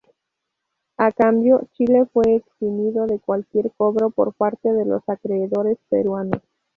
A cambio Chile fue eximido de cualquier cobro por parte de los acreedores peruanos.